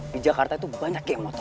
di jakarta itu banyak yang motor